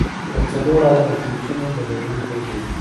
د څلور عدده پیچونو درلودونکی دی.